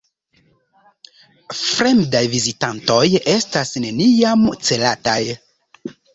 Fremdaj vizitantoj estas neniam celataj.